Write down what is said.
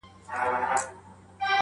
پر دېګدان باندي یې هیڅ نه وه بار کړي -